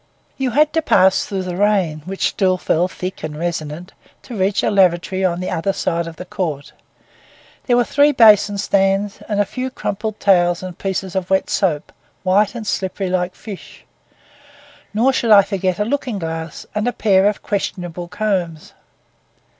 You had to pass through the rain, which still fell thick and resonant, to reach a lavatory on the other side of the court. There were three basin stands, and a few crumpled towels and pieces of wet soap, white and slippery like fish; nor should I forget a looking glass and a pair of questionable combs.